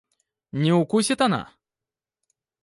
Не укусит она?